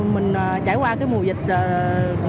mình trải qua cái mùa dịch đầy thương đau rồi